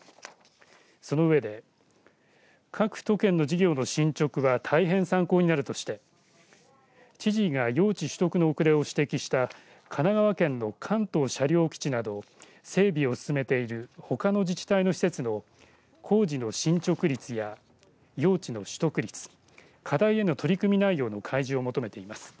その上で各都県の事業の進捗は大変参考になるとして知事が用地取得の遅れを指摘した神奈川県の関東車両基地など整備を進めているほかの自治体の設備の工事の進捗率や用地の取得率課題への取り組み内容の開示を求めています。